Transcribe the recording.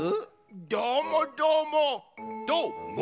どーもどーもどーも！